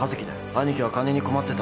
兄貴は金に困ってたんだ